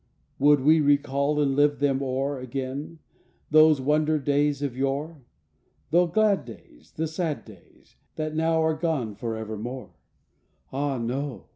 Would we recall and live them o'er Again, those wonder days of yore! The glad days The sad days That now are gone forevermore? Ah no!